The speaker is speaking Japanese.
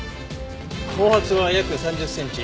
毛髪は約３０センチ。